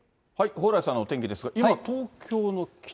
蓬莱さんのお天気ですが、今、東京の北。